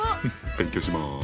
勉強します！